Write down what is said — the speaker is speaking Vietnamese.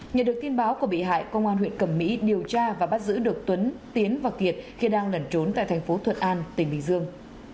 nhờ được tin báo của bị hại công an huyện cẩm mỹ điều tra và bắt giữ được tuấn tiến và kiệt khi đang lẩn trốn tại thành phố thuận an tỉnh bình dương